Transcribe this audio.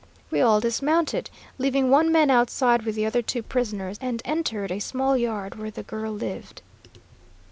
We all dismounted, leaving one man outside with the other two prisoners, and entered a small yard where the girl lived.